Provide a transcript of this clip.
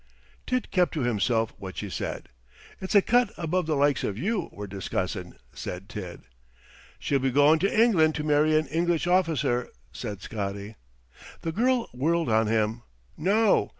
Tid kept to himself what she said. "It's a cut above the likes of you we're discussin'," said Tid. "She'll be goin' to England to marry an English officer," said Scotty. The girl whirled on him. "No.